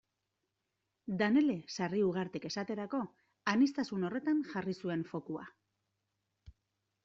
Danele Sarriugartek esaterako aniztasun horretan jarri zuen fokua.